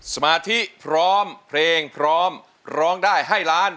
สมาธิพร้อมเพลงพร้อมร้องได้ให้ล้าน